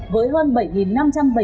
với hơn bảy năm trăm bảy mươi bị can